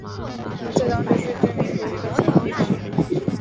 湾仔当时是居民捕鱼的主要地方。